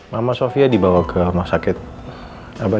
mama sofia dibawa ke rumah sakit mana ya pak